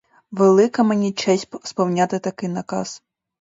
Велика мені честь сповняти такий наказ.